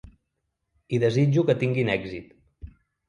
I desitjo que tinguin èxit.